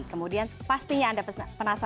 kemudian pastinya anda